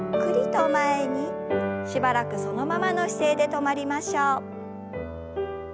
しばらくそのままの姿勢で止まりましょう。